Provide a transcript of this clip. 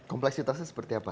kompleksitasnya seperti apa